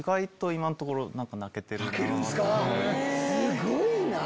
すごいな！